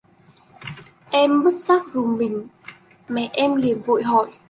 Em bất giác rùng mình mẹ em liền vội hỏi